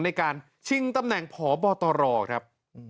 ในการชิงตำแหน่งพบตรครับ